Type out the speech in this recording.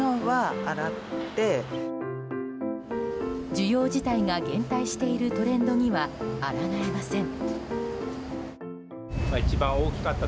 需要自体が減退しているトレンドにはあらがえません。